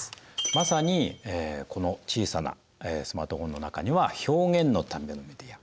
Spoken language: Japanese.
まさにこの小さなスマートフォンの中には「表現のためのメディア」